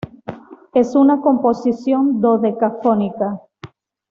Es una composición dodecafónica.